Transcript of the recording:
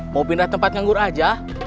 mau pindah tempat nganggur aja